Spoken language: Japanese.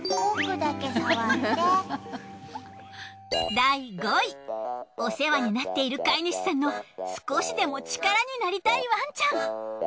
第５位お世話になっている飼い主さんの少しでも力になりたいワンちゃん。